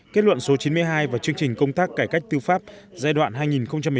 kết luận số chín mươi hai và chương trình công tác cải cách tư pháp giai đoạn hai nghìn một mươi sáu hai nghìn hai mươi